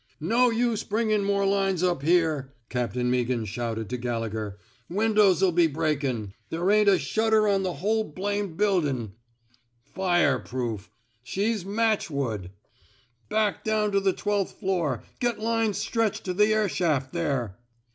No use bringin' more lines up here,'' Captain Meaghan shouted to Gallegher. Windows '11 be breakin'. There ain't a shutter on the whole blamed buildin'. Fireproof! She's matchwood! Back down to the twelfth floor. Get lines stretched to the air shaft there."